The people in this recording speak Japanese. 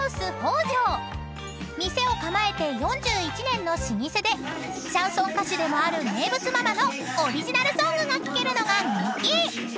［店を構えて４１年の老舗でシャンソン歌手でもある名物ママのオリジナルソングが聴けるのが人気］